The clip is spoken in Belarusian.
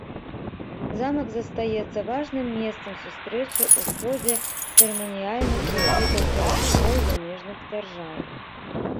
Замак застаецца важным месцам сустрэчы ў ходзе цырыманіяльных візітаў кіраўнікоў замежных дзяржаў.